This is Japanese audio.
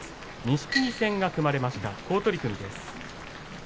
錦木戦が組まれました好取組です。